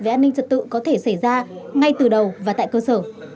về an ninh trật tự có thể xảy ra ngay từ đầu và tại cơ sở